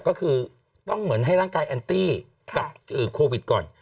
ก็คือต้องเหมือนให้ร่างกายแอนตี้กับโควิดก่อน